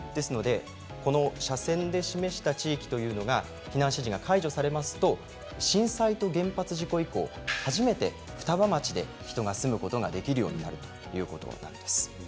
この斜線で示した地域というのが避難指示が解除されますと震災と原発事故以降初めて双葉町に人が住むことができるようになります。